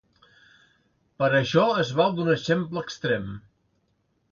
Per a això es val d'un exemple extrem.